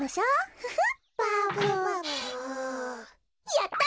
やった！